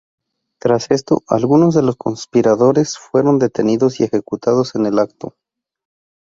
Tras esto, algunos de los conspiradores fueron detenidos y ejecutados en el acto.